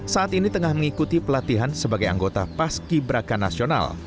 saat ini tengah mengikuti pelatihan sebagai anggota paski braka nasional